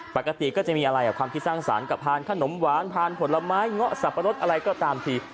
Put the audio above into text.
ปกติก็จะมีอะไรกับความคิดสร้างสรรค์กับพานขนมหวานพานผลไม้เงาะสับปะรดอะไรก็ตามที